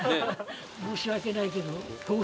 申し訳ないけど。